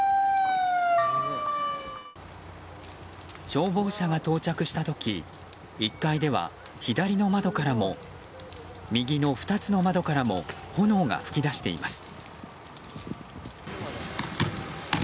消防車が到着した時１階では左の窓からも右の２つの窓からも炎が噴き出しています。